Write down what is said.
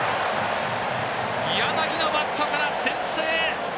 柳のバットから先制！